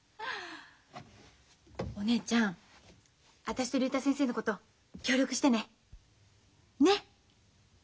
お姉ちゃん私と竜太先生のこと協力してね。ね！